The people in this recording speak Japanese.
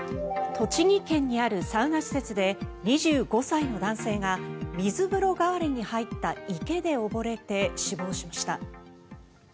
栃木県にあるサウナ施設で２５歳の男性が水風呂代わりに入った池で溺れて死亡しました。